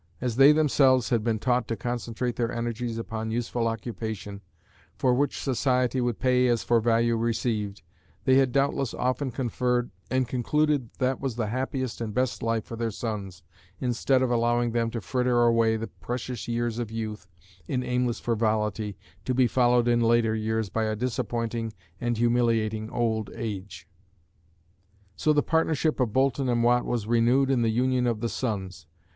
As they themselves had been taught to concentrate their energies upon useful occupation, for which society would pay as for value received, they had doubtless often conferred, and concluded that was the happiest and best life for their sons, instead of allowing them to fritter away the precious years of youth in aimless frivolity, to be followed in later years by a disappointing and humiliating old age. So the partnership of Boulton and Watt was renewed in the union of the sons.